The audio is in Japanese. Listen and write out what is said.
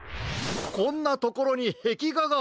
こんなところにへきがが！